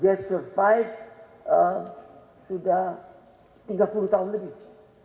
dia bertahan sudah tiga puluh tahun lebih